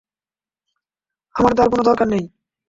আমার তার কোনো দরকার নেই।